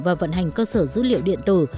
và vận hành cơ sở dữ liệu điện tử